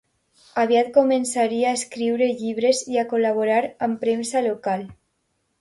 Aviat començaria a escriure llibres i a col·laborar amb premsa local.